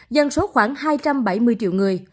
dân số khoảng hai trăm bảy mươi triệu người